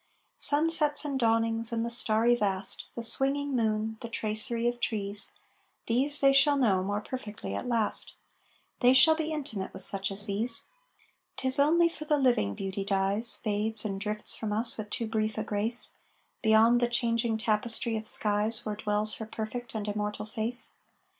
Sunsets and dawnings and the starry vast, The swinging moon, the tracery of trees These they shall know more perfectly at last, They shall be intimate with such as these. 'Tis only for the living Beauty dies, Fades and drifts from us with too brief a grace, Beyond the changing tapestry of skies Where dwells her perfect and immortal face.